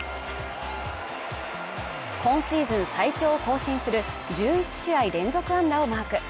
今シーズン最長を更新する１１試合連続安打をマーク。